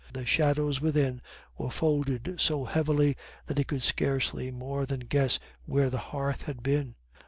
The shadows within were folded so heavily that he could scarcely more than guess where the hearth had been.